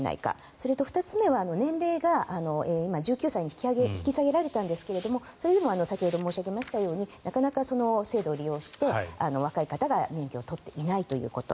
それと２つ目は、年齢が今１９歳に引き下げられたんですがそれでも先ほど申し上げましたようになかなか制度を利用して若い方が免許を取っていないということ。